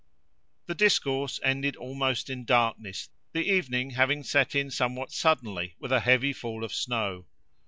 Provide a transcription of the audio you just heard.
The discourse ended almost in darkness, the evening having set in somewhat suddenly, with a heavy fall of snow.